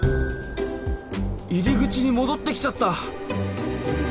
入り口に戻ってきちゃった！